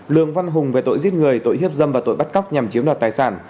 lường văn hùng về tội giết người tội hiếp dâm và tội bắt cóc nhằm chiếm đoạt tài sản